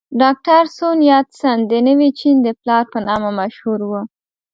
ډاکټر سون یات سن د نوي چین د پلار په نامه مشهور و.